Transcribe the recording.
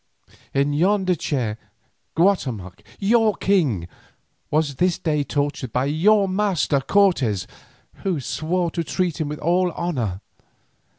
In yonder chair Guatemoc your king was this day tortured by your master Cortes, who swore to treat him with all honour.